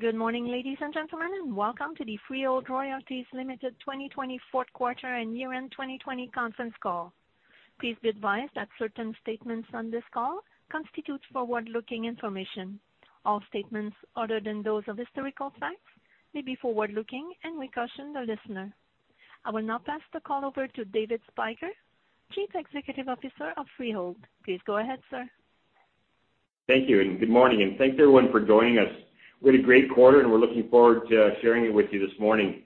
Good morning, ladies and gentlemen, and welcome to the Freehold Royalties Ltd 2020 fourth quarter and year-end 2020 conference call. Please be advised that certain statements on this call constitute forward-looking information. All statements other than those of historical facts may be forward-looking, and we caution the listener. I will now pass the call over to David Spyker, Chief Executive Officer of Freehold. Please go ahead, sir. Thank you, and good morning, and thanks, everyone, for joining us. We had a great quarter, and we're looking forward to sharing it with you this morning.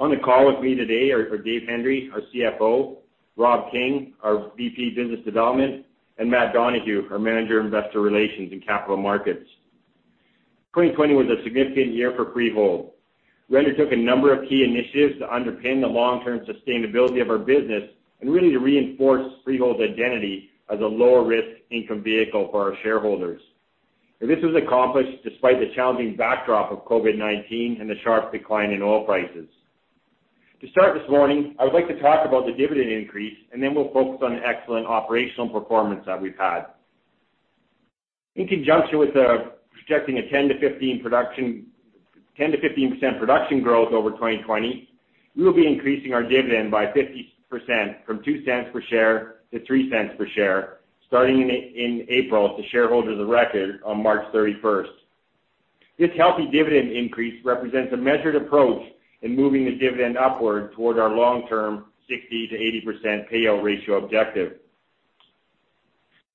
On the call with me today are David Hendry, our CFO, Rob King, our VP Business Development, and Matt Donohue, our Manager of Investor Relations and Capital Markets. 2020 was a significant year for Freehold. We undertook a number of key initiatives to underpin the long-term sustainability of our business and really to reinforce Freehold's identity as a lower-risk income vehicle for our shareholders. This was accomplished despite the challenging backdrop of COVID-19 and the sharp decline in oil prices. To start this morning, I would like to talk about the dividend increase, and then we'll focus on the excellent operational performance that we've had. In conjunction with projecting a 10%-15% production growth over 2020, we will be increasing our dividend by 50%, from 0.02 per share to 0.03 per share, starting in April to shareholders of record on March 31st. This healthy dividend increase represents a measured approach in moving the dividend upward toward our long-term 60%-80% payout ratio objective.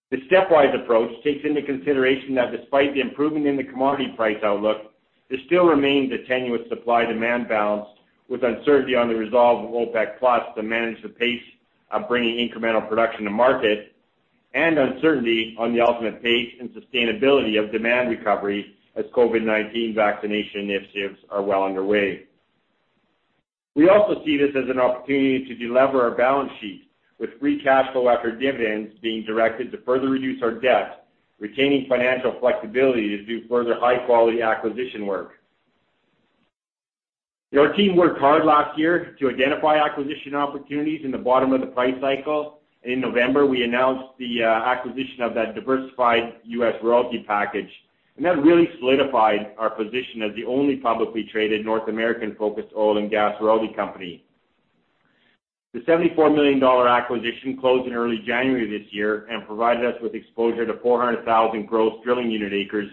The stepwise approach takes into consideration that despite the improvement in the commodity price outlook, there still remains a tenuous supply-demand balance, with uncertainty on the resolve of OPEC+ to manage the pace of bringing incremental production to market, and uncertainty on the ultimate pace and sustainability of demand recovery as COVID-19 vaccination initiatives are well underway. We also see this as an opportunity to delever our balance sheet, with free cash flow after dividends being directed to further reduce our debt, retaining financial flexibility to do further high-quality acquisition work. Our team worked hard last year to identify acquisition opportunities in the bottom of the price cycle. In November, we announced the acquisition of that diversified U.S. royalty package, and that really solidified our position as the only publicly traded North American-focused oil and gas royalty company. The 74 million dollar acquisition closed in early January this year and provided us with exposure to 400,000 gross drilling unit acres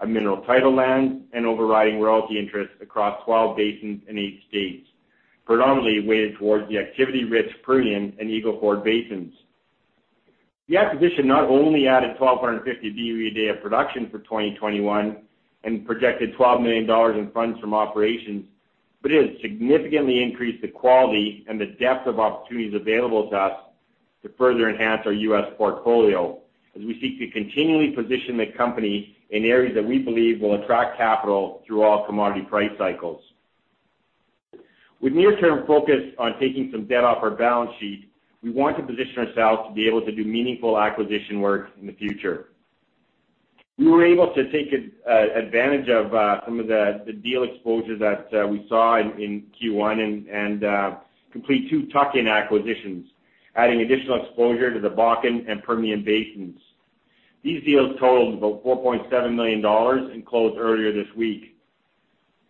of mineral title land and overriding royalty interests across 12 basins in eight states, predominantly weighted towards the activity-rich Permian and Eagle Ford basins. The acquisition not only added 1,250 boe/d of production for 2021 and projected 12 million dollars in funds from operations, but it has significantly increased the quality and the depth of opportunities available to us to further enhance our U.S. portfolio as we seek to continually position the company in areas that we believe will attract capital through all commodity price cycles. With near-term focus on taking some debt off our balance sheet, we want to position ourselves to be able to do meaningful acquisition work in the future. We were able to take advantage of some of the deal exposure that we saw in Q1 and complete two tuck-in acquisitions, adding additional exposure to the Bakken and Permian basins. These deals totaled about 4.7 million dollars and closed earlier this week.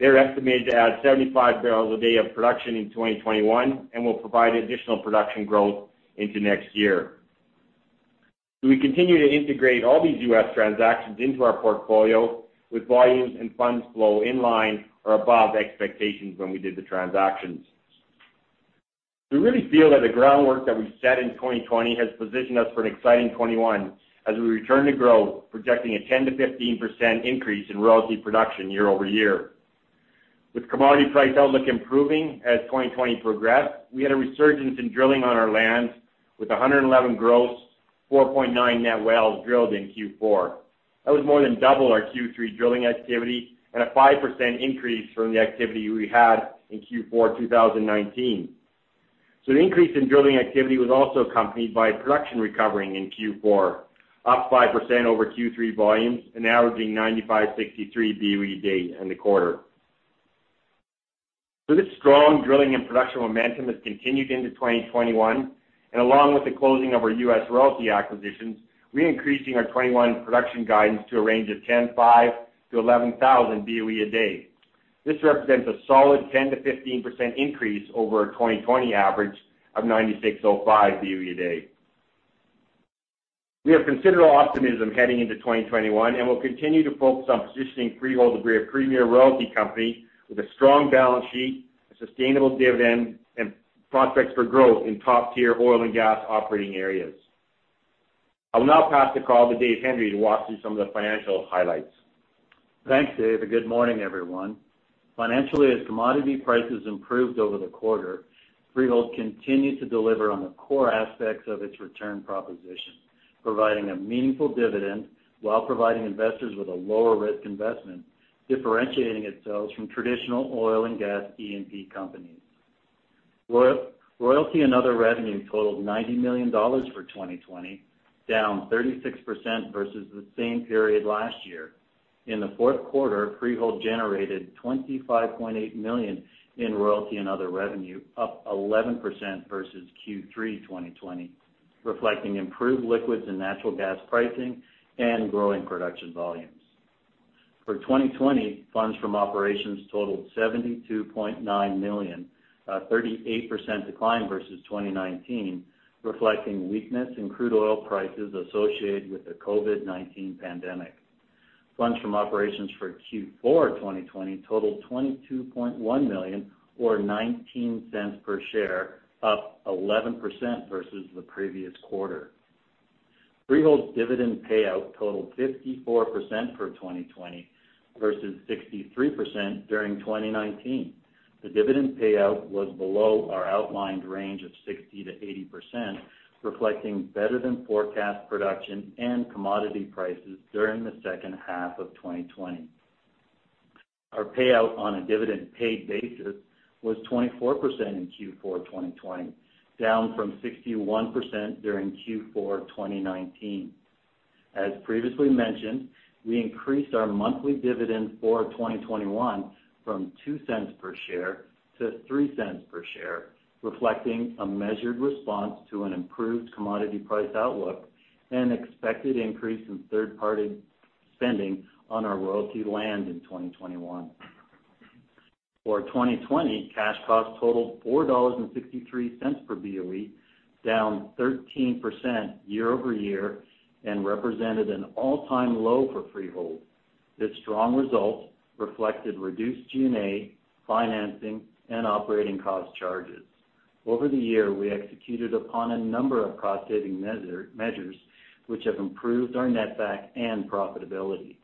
They're estimated to add 75 bpd of production in 2021 and will provide additional production growth into next year. We continue to integrate all these U.S. transactions into our portfolio, with volumes and funds flow in line or above expectations when we did the transactions. We really feel that the groundwork that we've set in 2020 has positioned us for an exciting 2021 as we return to growth, projecting a 10%-15% increase in royalty production year-over-year. With commodity price outlook improving as 2020 progressed, we had a resurgence in drilling on our lands, with 111 gross, 4.9 net wells drilled in Q4. That was more than double our Q3 drilling activity and a 5% increase from the activity we had in Q4 2019. The increase in drilling activity was also accompanied by production recovering in Q4, up 5% over Q3 volumes and averaging 9,563 boe/d in the quarter. This strong drilling and production momentum has continued into 2021, and along with the closing of our U.S. royalty acquisitions, we are increasing our 2021 production guidance to a range of 10,500 to 11,000 boe/d. This represents a solid 10%-15% increase over our 2020 average of 9,605 boe/d. We have considerable optimism heading into 2021, and we'll continue to focus on positioning Freehold to be a premier royalty company with a strong balance sheet, a sustainable dividend, and prospects for growth in top-tier oil and gas operating areas. I will now pass the call to Dave Hendry to walk through some of the financial highlights. Thanks, Dave, and good morning, everyone. Financially, as commodity prices improved over the quarter, Freehold continued to deliver on the core aspects of its return proposition, providing a meaningful dividend while providing investors with a lower-risk investment, differentiating itself from traditional oil and gas E&P companies. Royalty and other revenue totaled 90 million dollars for 2020, down 36% versus the same period last year. In the fourth quarter, Freehold generated 25.8 million in royalty and other revenue, up 11% versus Q3 2020. Reflecting improved liquids and natural gas pricing and growing production volumes. For 2020, funds from operations totaled 72.9 million, a 38% decline versus 2019, reflecting weakness in crude oil prices associated with the COVID-19 pandemic. Funds from operations for Q4 2020 totaled CAD 22.1 million or 0.19 per share, up 11% versus the previous quarter. Freehold's dividend payout totaled 54% for 2020 versus 63% during 2019. The dividend payout was below our outlined range of 60%-80%, reflecting better than forecast production and commodity prices during the second half of 2020. Our payout on a dividend paid basis was 24% in Q4 2020, down from 61% during Q4 2019. As previously mentioned, we increased our monthly dividend for 2021 from 0.02 per share to 0.03 per share, reflecting a measured response to an improved commodity price outlook and expected increase in third-party spending on our royalty land in 2021. For 2020, cash costs totaled 4.63 dollars/boe, down 13% year-over-year and represented an all-time low for Freehold. This strong result reflected reduced G&A, financing, and operating cost charges. Over the year, we executed upon a number of cost-saving measures which have improved our netback and profitability.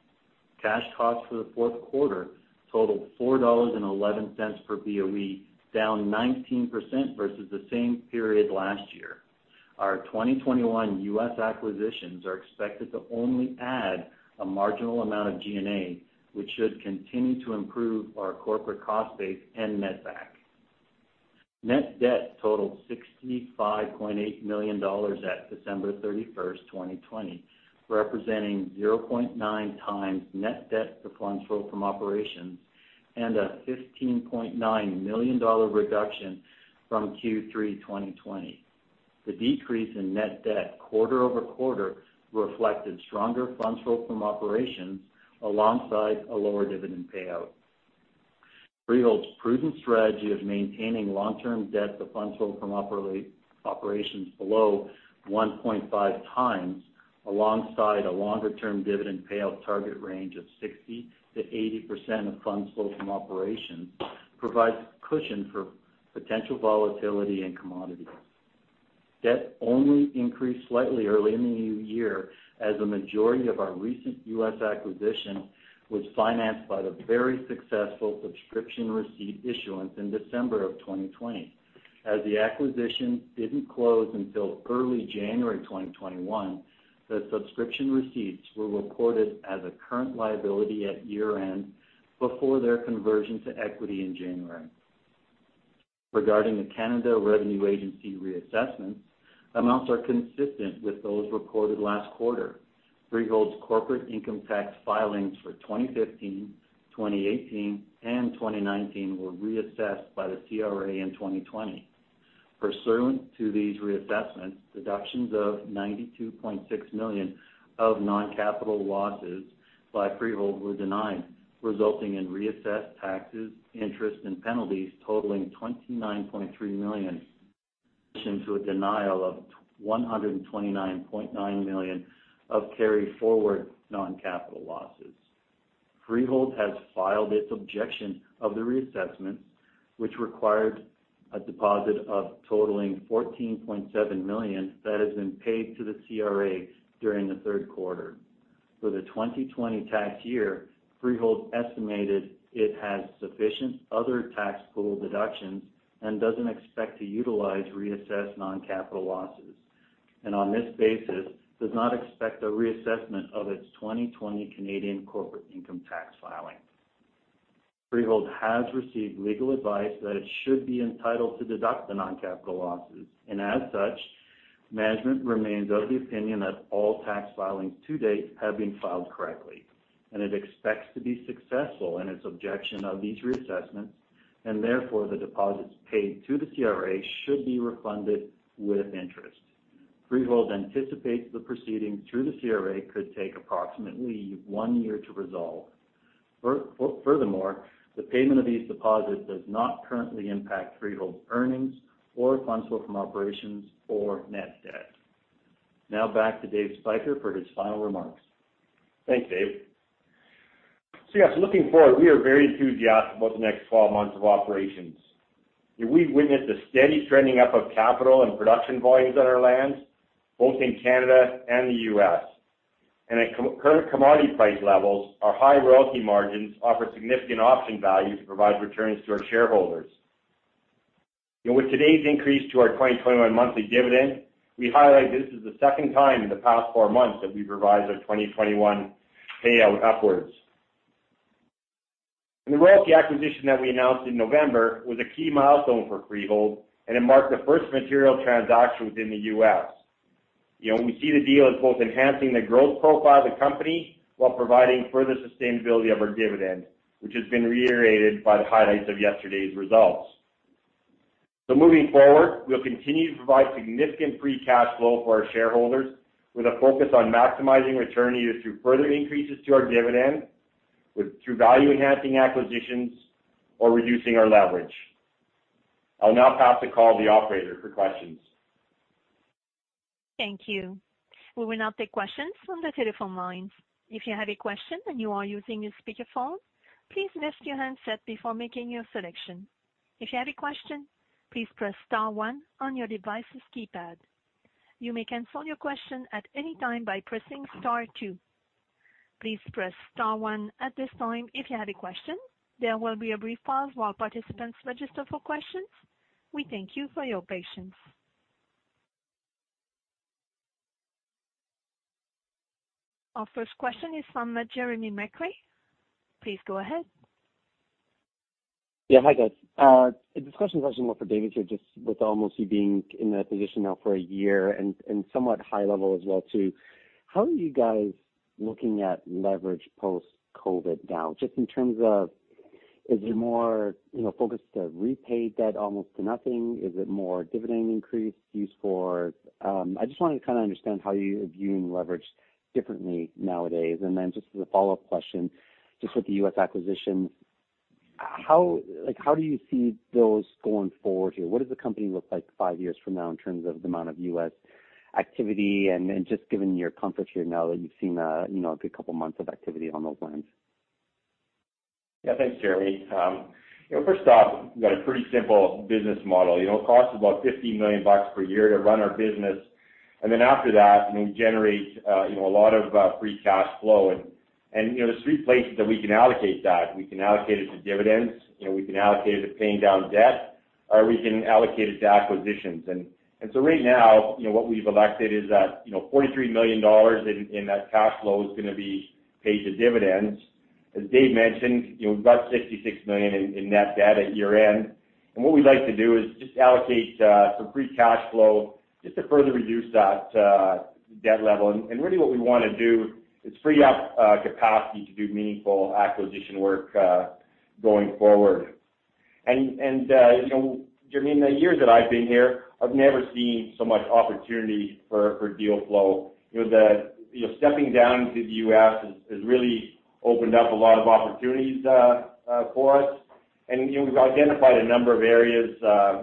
Cash costs for the fourth quarter totaled 4.11 dollars/boe, down 19% versus the same period last year. Our 2021 U.S. acquisitions are expected to only add a marginal amount of G&A, which should continue to improve our corporate cost base and netback. Net debt totaled 65.8 million dollars at December 31st, 2020, representing 0.9x net debt to funds flow from operations and a 15.9 million dollar reduction from Q3 2020. The decrease in net debt quarter-over-quarter reflected stronger funds flow from operations alongside a lower dividend payout. Freehold's prudent strategy of maintaining long-term debt to funds flow from operations below 1.5x, alongside a longer-term dividend payout target range of 60%-80% of funds flow from operations, provides a cushion for potential volatility in commodities. Debt only increased slightly early in the new year as a majority of our recent U.S. acquisition was financed by the very successful subscription receipt issuance in December of 2020. As the acquisition didn't close until early January 2021, the subscription receipts were reported as a current liability at year-end before their conversion to equity in January. Regarding the Canada Revenue Agency reassessment, amounts are consistent with those recorded last quarter. Freehold's corporate income tax filings for 2015, 2018, and 2019 were reassessed by the CRA in 2020. Pursuant to these reassessments, deductions of 92.6 million of non-capital losses by Freehold were denied, resulting in reassessed taxes, interest, and penalties totaling 29.3 million, in addition to a denial of 129.9 million of carry forward non-capital losses. Freehold has filed its objection of the reassessments, which required a deposit totaling 14.7 million that has been paid to the CRA during the third quarter. For the 2020 tax year, Freehold estimated it has sufficient other tax pool deductions and doesn't expect to utilize reassessed non-capital losses. On this basis, does not expect a reassessment of its 2020 Canadian corporate income tax filing. Freehold has received legal advice that it should be entitled to deduct the non-capital losses, and as such, management remains of the opinion that all tax filings to date have been filed correctly. It expects to be successful in its objection of these reassessments, and therefore, the deposits paid to the CRA should be refunded with interest. Freehold anticipates the proceeding through the CRA could take approximately one year to resolve. The payment of these deposits does not currently impact Freehold's earnings or funds flow from operations or net debt. Back to Dave Spyker for his final remarks. Thanks, Dave. Yes, looking forward, we are very enthusiastic about the next 12 months of operations. We've witnessed a steady trending up of capital and production volumes on our lands, both in Canada and the U.S. At current commodity price levels, our high royalty margins offer significant option value to provide returns to our shareholders. With today's increase to our 2021 monthly dividend, we highlight this is the second time in the past four months that we've revised our 2021 payout upwards. The royalty acquisition that we announced in November was a key milestone for Freehold, and it marked the first material transaction within the U.S. We see the deal as both enhancing the growth profile of the company while providing further sustainability of our dividend, which has been reiterated by the highlights of yesterday's results. Moving forward, we'll continue to provide significant free cash flow for our shareholders with a focus on maximizing return either through further increases to our dividend, through value-enhancing acquisitions or reducing our leverage. I'll now pass the call to the operator for questions. Thank you. We will now take questions from the telephone lines. If you have a question and you are using a speakerphone, please lift your handset before making your selection. If you have a question, please press star one on your device's keypad. You may cancel your question at any time by pressing star two. Please press star one at this time if you have a question. There will be a brief pause while participants register for questions. We thank you for your patience. Our first question is from Jeremy McCrea. Please go ahead. Yeah. Hi, guys. This question is actually more for David here, just with almost you being in that position now for a year and somewhat high level as well too. How are you guys looking at leverage post-COVID-19 now, just in terms of is it more focused to repay debt almost to nothing? Is it more dividend increase? I just wanted to understand how you are viewing leverage differently nowadays. Just as a follow-up question, just with the U.S. acquisitions, how do you see those going forward here? What does the company look like five years from now in terms of the amount of U.S. activity and just given your comfort here now that you've seen a good couple of months of activity on those lines? Thanks, Jeremy. First off, we've got a pretty simple business model. It costs about 15 million bucks per year to run our business. After that, we generate a lot of free cash flow. There's three places that we can allocate that. We can allocate it to dividends, we can allocate it to paying down debt, or we can allocate it to acquisitions. Right now, what we've elected is that 43 million dollars in that cash flow is going to be paid to dividends. As Dave mentioned, we've got 66 million in net debt at year-end. What we'd like to do is just allocate some free cash flow just to further reduce that debt level. Really what we want to do is free up capacity to do meaningful acquisition work going forward. Jeremy, in the years that I've been here, I've never seen so much opportunity for deal flow. Stepping down into the U.S. has really opened up a lot of opportunities for us. We've identified a number of areas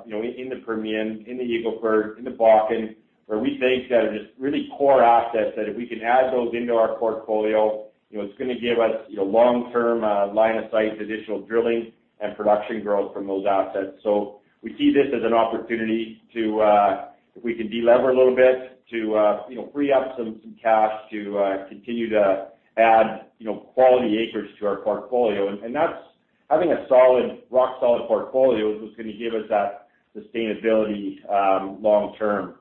in the Permian, in the Eagle Ford, in the Bakken, where we think that are just really core assets that if we can add those into our portfolio, it's going to give us long-term line of sight to additional drilling and production growth from those assets. We see this as an opportunity to de-lever a little bit to free up some cash to continue to add quality acreage to our portfolio. Having a rock-solid portfolio is what's going to give us that sustainability long term.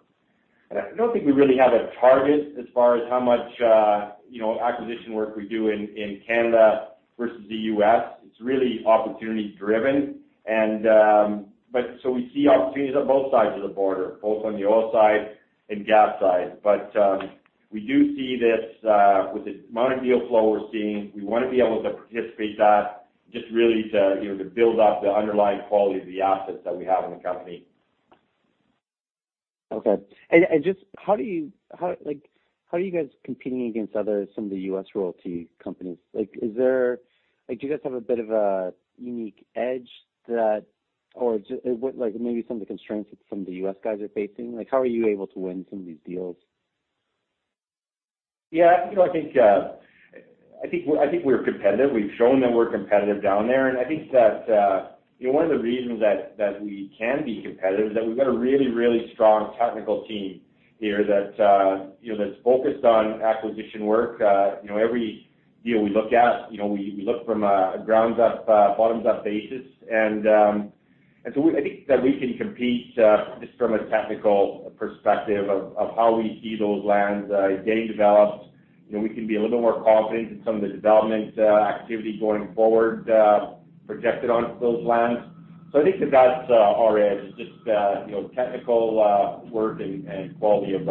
I don't think we really have a target as far as how much acquisition work we do in Canada versus the U.S. It's really opportunity-driven. We see opportunities on both sides of the border, both on the oil side and gas side. We do see this with the amount of deal flow we're seeing, we want to be able to participate that just really to build up the underlying quality of the assets that we have in the company. Okay. Just how are you guys competing against some of the U.S. royalty companies? Do you guys have a bit of a unique edge or maybe some of the constraints that some of the U.S. guys are facing? How are you able to win some of these deals? Yeah, I think we're competitive. We've shown that we're competitive down there. I think that one of the reasons that we can be competitive is that we've got a really strong technical team here that's focused on acquisition work. Every deal we look at, we look from a bottoms-up basis. I think that we can compete just from a technical perspective of how we see those lands getting developed. We can be a little more confident in some of the development activity going forward projected onto those lands. I think that that's our edge is just technical work and quality of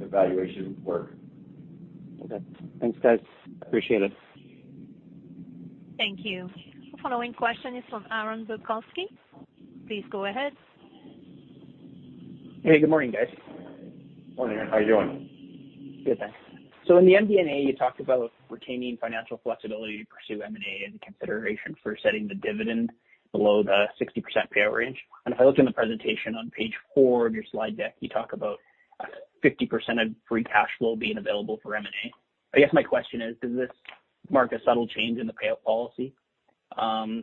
evaluation work. Okay. Thanks, guys. Appreciate it. Thank you. Following question is from Aaron Bilkoski. Please go ahead. Hey, good morning, guys. Morning, Aaron. How are you doing? Good, thanks. In the MD&A, you talked about retaining financial flexibility to pursue M&A and consideration for setting the dividend below the 60% payout range. If I look in the presentation on page four of your slide deck, you talk about 50% of free cash flow being available for M&A. I guess my question is, does this mark a subtle change in the payout policy?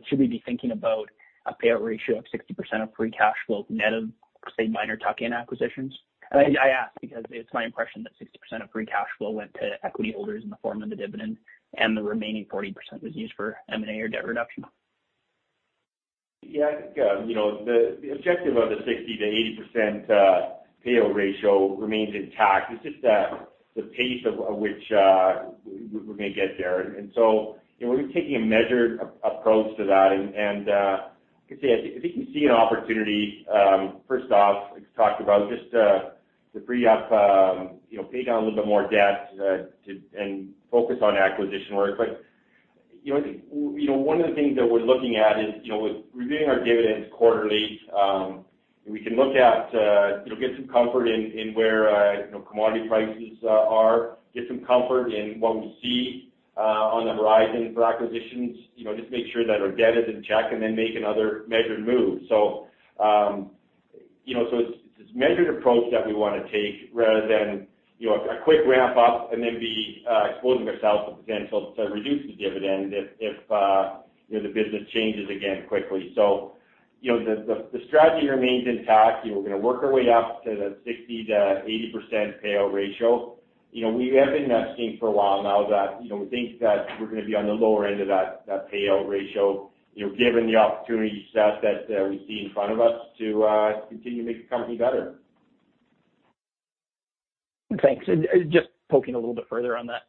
Should we be thinking about a payout ratio of 60% of free cash flow net of, say, minor tuck-in acquisitions? I ask because it's my impression that 60% of free cash flow went to equity holders in the form of the dividend, and the remaining 40% was used for M&A or debt reduction. Yeah, I think the objective of the 60%-80% payout ratio remains intact. It's just the pace of which we're going to get there. And so, we're taking measures up close to that and I could say, I think you see an opportunity, first off, talked about just to pay down a little bit more debt and focus on acquisition work. One of the things that we're looking at is reviewing our dividends quarterly, we can get some comfort in where commodity prices are, get some comfort in what we see on the horizon for acquisitions, just make sure that our debt is in check and then make another measured move. It's this measured approach that we want to take rather than a quick ramp up and then be exposing ourselves to potential to reduce the dividend if the business changes again quickly. The strategy remains intact. We're going to work our way up to the 60%-80% payout ratio. We have been messaging for a while now that we think that we're going to be on the lower end of that payout ratio, given the opportunity set that we see in front of us to continue to make the company better. Thanks. Just poking a little bit further on that.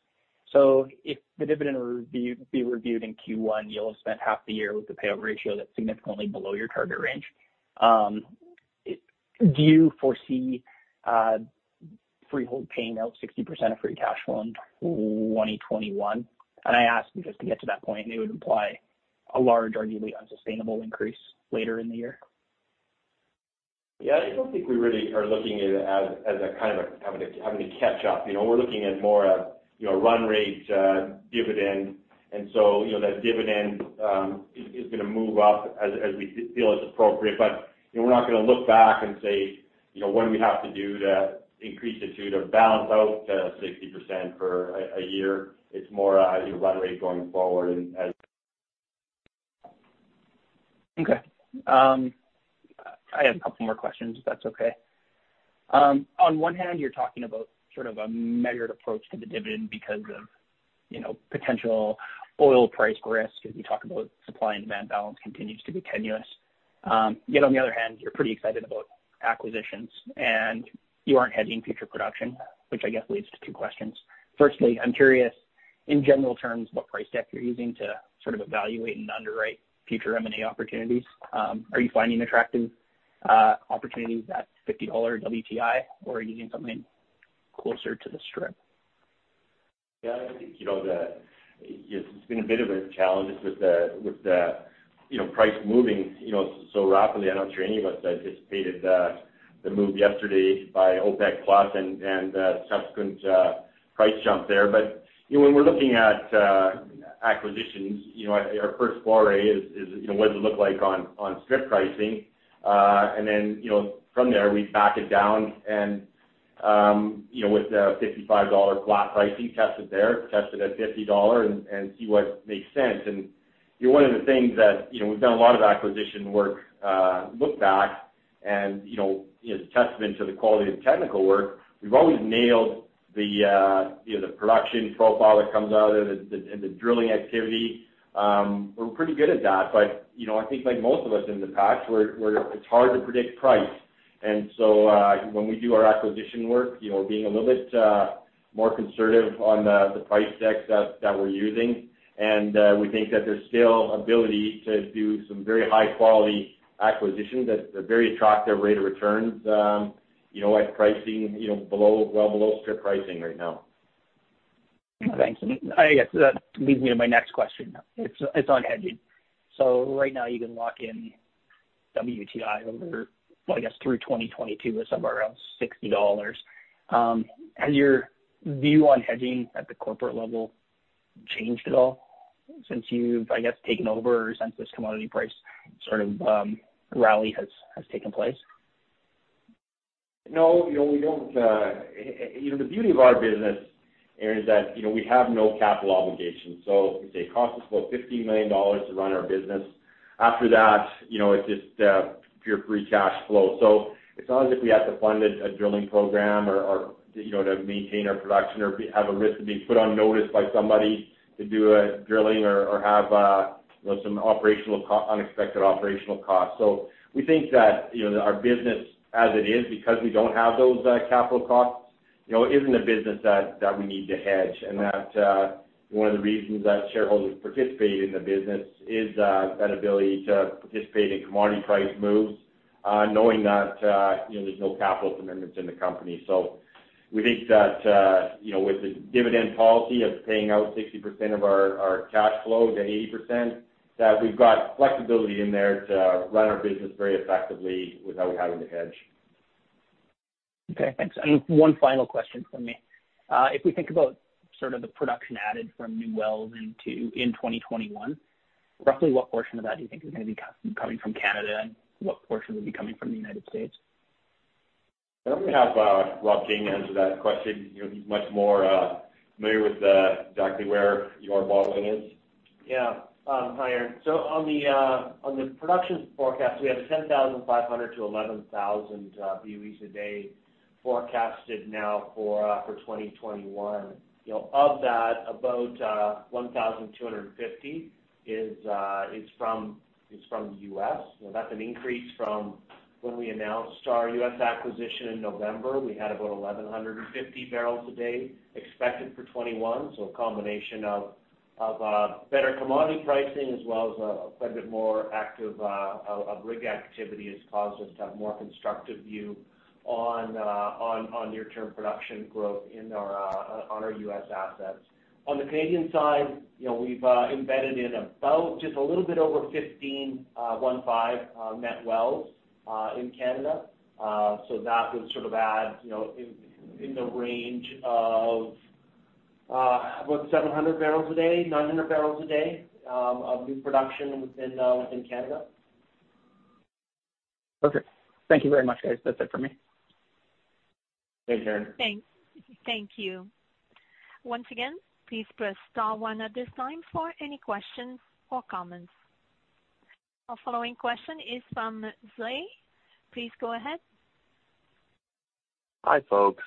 If the dividend will be reviewed in Q1, you'll have spent half the year with a payout ratio that's significantly below your target range. Do you foresee Freehold paying out 60% of free cash flow in 2021? I ask because to get to that point, it would imply a large or nearly unsustainable increase later in the year. Yeah, I don't think we really are looking at it as a kind of having to catch up. We're looking at more of run rate dividend. That dividend is going to move up as we feel it's appropriate. We're not going to look back and say what do we have to do to increase it to balance out the 60% for a year. It's more a run rate going forward. Okay. I had two more questions, if that's okay. On one hand, you're talking about sort of a measured approach to the dividend because of potential oil price risk, as you talk about supply and demand balance continues to be tenuous. On the other hand, you're pretty excited about acquisitions and you aren't hedging future production, which I guess leads to two questions. Firstly, I'm curious, in general terms, what price deck you're using to sort of evaluate and underwrite future M&A opportunities. Are you finding attractive opportunities at 50 dollar WTI, or are you using something closer to the strip? I think it's been a bit of a challenge with the price moving so rapidly. I'm not sure any of us anticipated the move yesterday by OPEC+ and the subsequent price jump there. When we're looking at acquisitions, our first foray is what does it look like on strip pricing. Then from there, we back it down and with the 55 dollar flat pricing, test it there, test it at 50 dollar and see what makes sense. One of the things that we've done a lot of acquisition work look back and is a testament to the quality of the technical work. We've always nailed the production profile that comes out of it and the drilling activity. We're pretty good at that. I think like most of us in the patch, it's hard to predict price. When we do our acquisition work, being a little bit more conservative on the price decks that we're using, and we think that there's still ability to do some very high-quality acquisitions at very attractive rate of returns at pricing well below strip pricing right now. Thanks. I guess that leads me to my next question. It's on hedging. Right now you can lock in WTI over, I guess through 2022 or somewhere around 60 dollars. Has your view on hedging at the corporate level changed at all since you've, I guess, taken over or since this commodity price sort of rally has taken place? No. The beauty of our business, Aaron, is that we have no capital obligations. It costs us about 15 million dollars to run our business. After that, it's just pure free cash flow. It's not as if we have to fund a drilling program or to maintain our production or have a risk of being put on notice by somebody to do a drilling or have some unexpected operational costs. We think that our business as it is, because we don't have those capital costs, isn't a business that we need to hedge. That one of the reasons that shareholders participate in the business is that ability to participate in commodity price moves knowing that there's no capital commitments in the company. We think that with the dividend policy of paying out 60% of our cash flow than 80%, that we've got flexibility in there to run our business very effectively without having to hedge. Okay, thanks. One final question from me. If we think about sort of the production added from new wells in 2021, roughly what portion of that do you think is going to be coming from Canada and what portion will be coming from the United States? I'm going to have Rob King answer that question. He's much more familiar with exactly where our royalties is. Yeah. Hi, Aaron. On the production forecast, we have 10,500 to 11,000 boe/d forecasted now for 2021. Of that, about 1,250 boe/d is from the U.S. That's an increase from. When we announced our U.S. acquisition in November, we had about 1,150 bpd expected for 2021. A combination of better commodity pricing as well as a fair bit more active rig activity has caused us to have more constructive view on near-term production growth on our U.S. assets. On the Canadian side, we've embedded in about just a little bit over 15 net wells, in Canada. That would sort of add, in the range of about 700 bpd, 900 bpd of new production within Canada. Perfect. Thank you very much, guys. That's it for me. Thanks, Aaron. Thank you. Once again, please press star one at this time for any questions or comments. Our following question is from [Zay]. Please go ahead. Hi, folks.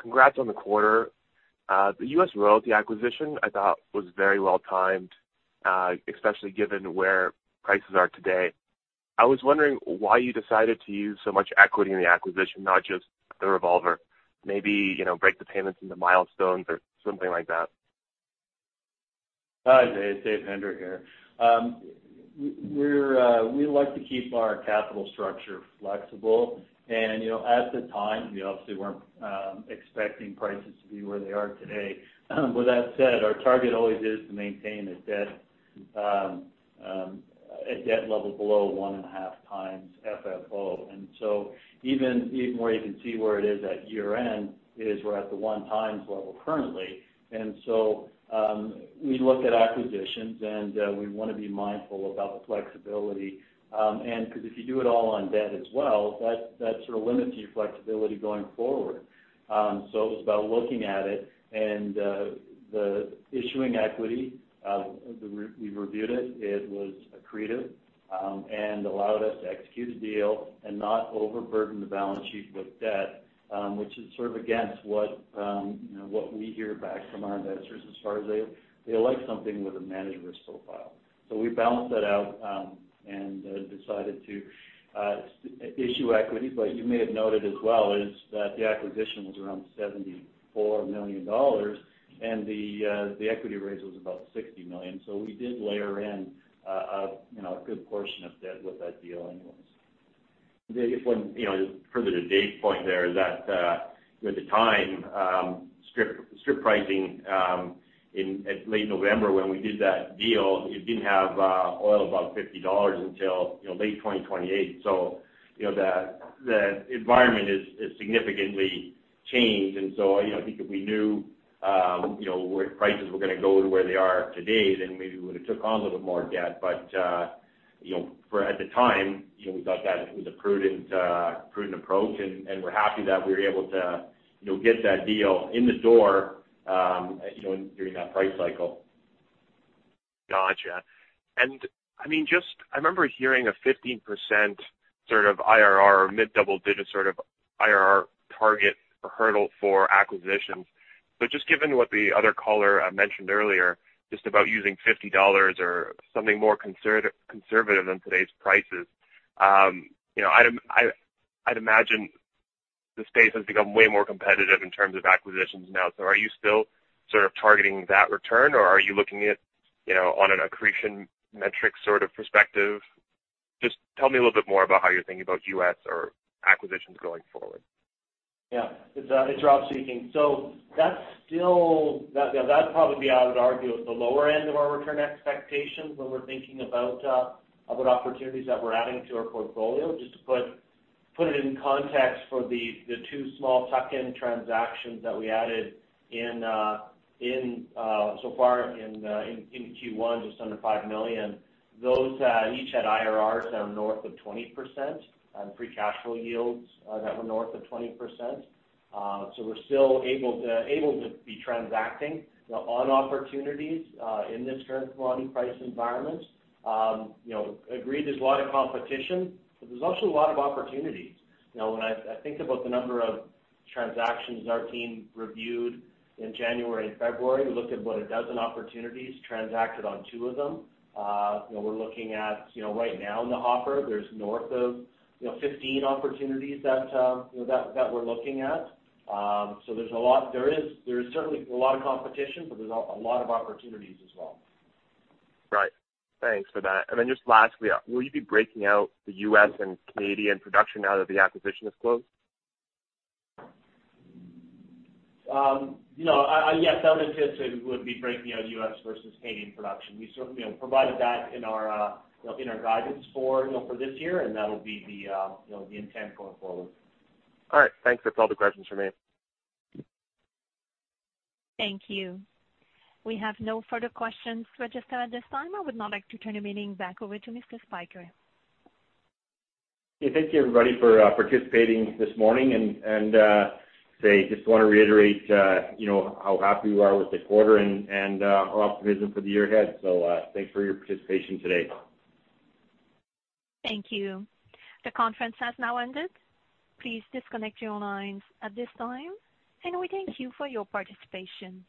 Congrats on the quarter. The U.S. royalty acquisition, I thought was very well timed, especially given where prices are today. I was wondering why you decided to use so much equity in the acquisition, not just the revolver. Maybe break the payments into milestones or something like that. Hi, [Zay]. It's Dave Hendry here. We like to keep our capital structure flexible. At the time, we obviously weren't expecting prices to be where they are today. With that said, our target always is to maintain a debt level below 1.5x FFO. Even where you can see where it is at year-end, we're at the 1x level currently. We look at acquisitions, and we want to be mindful about the flexibility. Because if you do it all on debt as well, that sort of limits your flexibility going forward. It was about looking at it and the issuing equity, we reviewed it was accretive, and allowed us to execute a deal and not overburden the balance sheet with debt, which is sort of against what we hear back from our investors as far as they like something with a managed risk profile. We balanced that out, and decided to issue equity. You may have noted as well is that the acquisition was around 74 million dollars, and the equity raise was about 60 million. We did layer in a good portion of debt with that deal anyways. Further to Dave's point, with the time strip pricing, in late November when we did that deal, it didn't have oil above 50 dollars until late 2028. The environment has significantly changed. I think if we knew where prices were going to go to where they are today, then maybe we would've took on a little more debt. At the time, we thought that it was a prudent approach, and we're happy that we were able to get that deal in the door during that price cycle. Gotcha. I remember hearing a 15% sort of IRR or mid-double digit sort of IRR target or hurdle for acquisitions. Just given what the other caller mentioned earlier, just about using 50 dollars or something more conservative than today's prices. I'd imagine the space has become way more competitive in terms of acquisitions now. Are you still sort of targeting that return, or are you looking at on an accretion metric sort of perspective? Just tell me a little bit more about how you're thinking about U.S. or acquisitions going forward. Yeah. It's Rob speaking. That'd probably be, I would argue, at the lower end of our return expectations when we're thinking about opportunities that we're adding to our portfolio. Just to put it in context for the two small tuck-in transactions that we added in so far in Q1, just under 5 million. Those each had IRRs that are north of 20% on free cash flow yields that were north of 20%. We're still able to be transacting on opportunities, in this current commodity price environment. Agreed there's a lot of competition, but there's also a lot of opportunities. When I think about the number of transactions our team reviewed in January and February, we looked at what a dozen opportunities, transacted on two of them. We're looking at right now in the hopper, there's north of 15 opportunities that we're looking at. There's certainly a lot of competition, but there's a lot of opportunities as well. Right. Thanks for that. Just lastly, will you be breaking out the U.S. and Canadian production now that the acquisition is closed? Yes. That's intent, we would be breaking out U.S. versus Canadian production. We provided that in our guidance for this year. That'll be the intent going forward. All right. Thanks. That's all the questions from me. Thank you. We have no further questions registered at this time. I would now like to turn the meeting back over to Mr. Spyker. Okay. Thank you, everybody, for participating this morning. [Zay], just want to reiterate how happy we are with the quarter and our optimism for the year ahead. Thanks for your participation today. Thank you. The conference has now ended. Please disconnect your lines at this time, and we thank you for your participation.